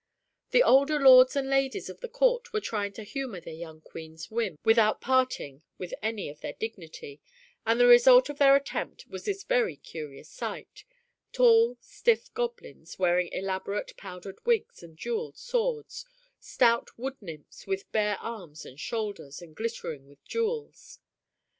The older lords and ladies of the court were trying to humor their young Queen's whim without parting with any of their dignity, and the result of their attempt was this very curious sight tall, stiff goblins, wearing elaborate, powdered wigs and jeweled swords, stout wood nymphs with bare arms and shoulders, and glittering with jewels.